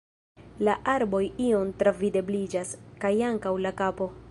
La arboj iom travidebliĝas, kaj ankaŭ la kapo…